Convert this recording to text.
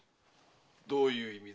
どういう意味だ？